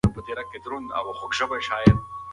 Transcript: هغه سړی به بیا هیڅکله بد کار ونه کړي.